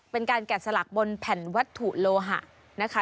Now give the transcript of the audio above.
เป็นการแกะสลักบนแผ่นวัตถุโลหะนะคะ